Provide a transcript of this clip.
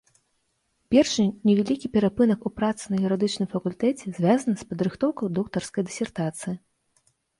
Першы невялікі перапынак у працы на юрыдычным факультэце звязаны з падрыхтоўкай доктарскай дысертацыі.